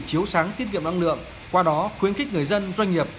chiếu sáng tiết kiệm năng lượng qua đó khuyến khích người dân doanh nghiệp